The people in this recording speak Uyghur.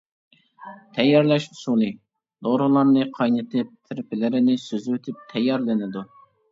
تەييارلاش ئۇسۇلى: دورىلارنى قاينىتىپ، تىرىپلىرىنى سۈزۈۋېتىپ تەييارلىنىدۇ.